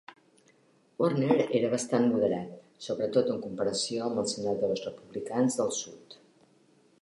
Warner era bastant moderat, sobretot en comparació amb els senadors republicans del sud.